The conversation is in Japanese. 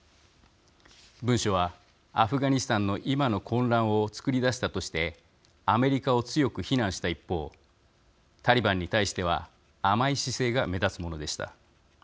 文書はアフガニスタンの今の混乱を作り出したとしてアメリカを強く非難した一方タリバンに対しては甘い姿勢が目立つものでした。